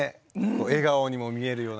笑顔にも見えるような。